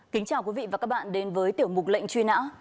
kính chào quý vị và các bạn đến với tiểu mục lệnh truy nã